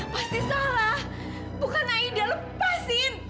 pasti salah bukan aida lepasin